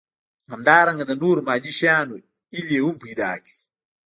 همدارنګه د نورو مادي شيانو هيلې هم پيدا کړي.